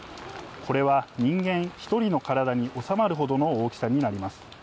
これは人間１人の体に収まるほどの大きさになります。